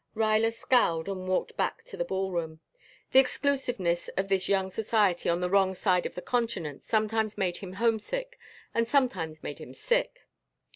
Ruyler scowled and walked back to the ballroom. The exclusiveness of this young society on the wrong side of the continent sometimes made him homesick and sometimes made him sick.